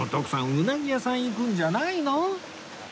うなぎ屋さん行くんじゃないの？